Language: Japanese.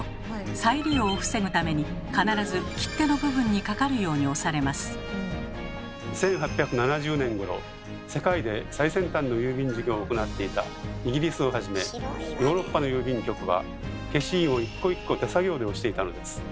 再利用を防ぐために必ず１８７０年ごろ世界で最先端の郵便事業を行っていたイギリスをはじめヨーロッパの郵便局は消印を一個一個手作業で押していたのです。